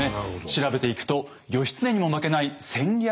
調べていくと義経にも負けない戦略